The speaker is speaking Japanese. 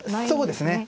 そうですね。